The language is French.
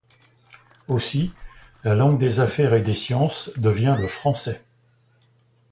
Aussi, la langue des affaires et des sciences devient le français.